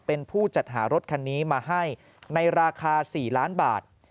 เป็นผู้จัดหารถคันนี้มาให้ในราคา๔ล้านบาท